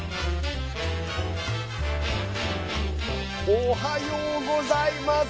おはようございます。